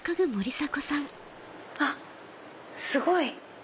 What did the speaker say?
あっすごい！